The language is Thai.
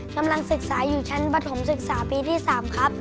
กำลังศึกษาอยู่ชั้นปฐมศึกษาปีที่๓ครับ